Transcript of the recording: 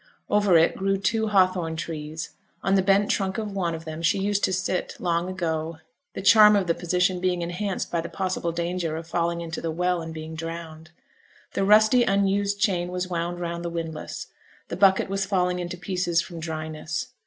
Over it grew two hawthorn trees; on the bent trunk of one of them she used to sit, long ago: the charm of the position being enhanced by the possible danger of falling into the well and being drowned. The rusty unused chain was wound round the windlass; the bucket was falling to pieces from dryness.